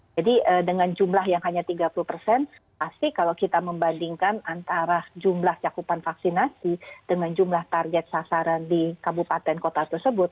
jadi dengan jumlah yang hanya tiga puluh persen pasti kalau kita membandingkan antara jumlah cakupan vaksinasi dengan jumlah target sasaran di kabupaten kota tersebut